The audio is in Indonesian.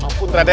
maaf pun rade